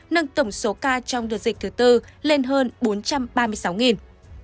nâng tổng số ca trong đợt dịch thứ tư lên hơn bốn trăm ba mươi sáu